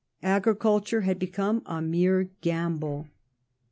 Agriculture had become a mere gamble.